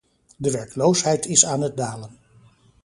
De werkloosheid is aan het dalen.